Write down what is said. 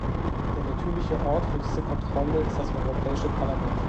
Der natürliche Ort für diese Kontrolle ist das Europäische Parlament.